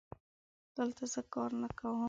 دلته زه کار نه کوم